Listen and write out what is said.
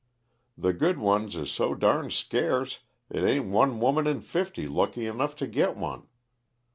The good ones is so durn scarce it ain't one woman in fifty lucky enough to git one.